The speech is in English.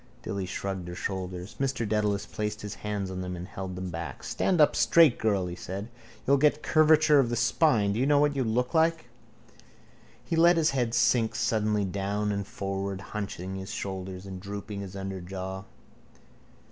Dilly shrugged her shoulders. Mr Dedalus placed his hands on them and held them back. —Stand up straight, girl, he said. You'll get curvature of the spine. Do you know what you look like? He let his head sink suddenly down and forward, hunching his shoulders and dropping his underjaw.